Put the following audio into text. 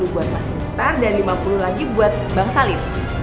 sepuluh buat mas mukhtar dan lima puluh lagi buat bang salim